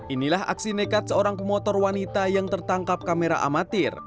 inilah aksi nekat seorang pemotor wanita yang tertangkap kamera amatir